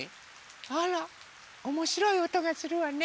あらおもしろいおとがするわね。